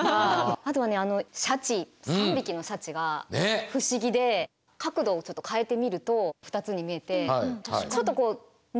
あとはねあのシャチ３匹のシャチが不思議で角度をちょっと変えてみると２つに見えてはい